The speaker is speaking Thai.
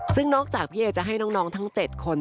ซึ่งนอกจากพี่เอจะให้น้องทั้ง๗คน